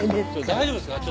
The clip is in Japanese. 大丈夫ですよ。